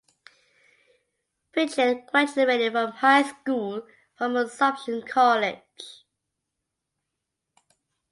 Pichet graduated from high school from Assumption College.